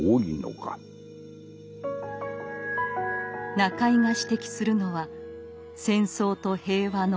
中井が指摘するのは「戦争」と「平和」の大きな違い。